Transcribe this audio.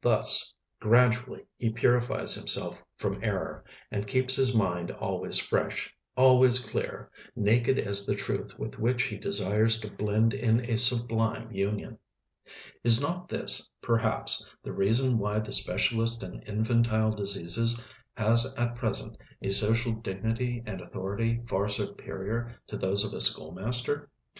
Thus, gradually, he purifies himself from error, and keeps his mind always fresh, always clear, naked as the Truth with which he desires to blend in a sublime union. Is not this, perhaps, the reason why the specialist in infantile diseases has at present a social dignity and authority far superior to those of a schoolmaster?